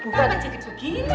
bukan jadi begini